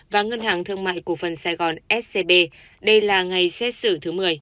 và ngân hàng thương mại cổ phần sài gòn scb đây là ngày xét xử thứ một mươi